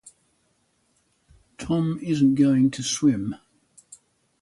Tom isn't going to swim.